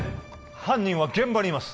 犯人は現場にいます